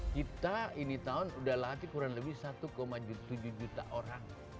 kita ini tahun sudah latih kurang lebih satu tujuh juta orang